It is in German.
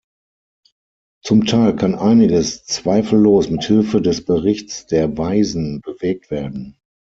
Zum Teil kann einiges zweifellos mit Hilfe des Berichts der Weisen bewegt werden.